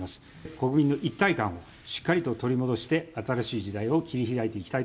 国民の一体感をしっかりと取り戻して、新しい時代を切り開いていきたい。